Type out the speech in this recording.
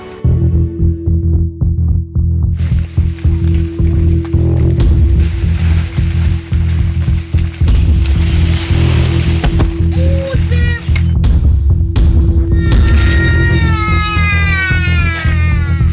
ทีม